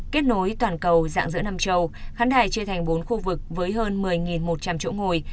kết nối toàn cầu dạng giữa nam châu khán đài chia thành bốn khu vực với hơn một mươi một trăm linh chỗ ngồi